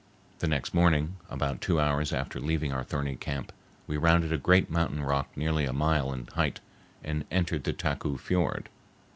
The next morning, about two hours after leaving our thorny camp, we rounded a great mountain rock nearly a mile in height and entered the Taku fiord.